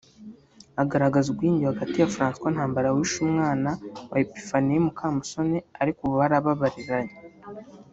agaragaza ubwiyunge hagati ya Francois Ntambara wishe umwana wa Epiphanie Mukamusoni ariko ubu barababariranye